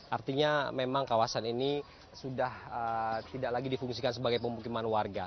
artinya memang kawasan ini sudah tidak lagi difungsikan sebagai pemukiman warga